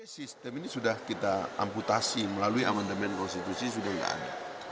sistem ini sudah kita amputasi melalui amandemen konstitusi sudah tidak ada